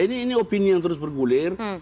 ini opini yang terus bergulir